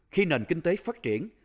khi nền kinh tế phát triển